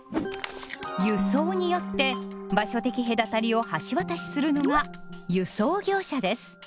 「輸送」によって場所的隔たりを橋渡しするのが輸送業者です。